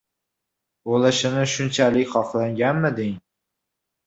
bo'lishini shunchalik xohlaganmiding!